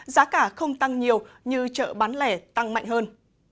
giá cả không tăng nhiều như chợ bán lẻ tăng mạnh hơn